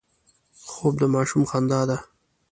خوب د ماشوم خندا ده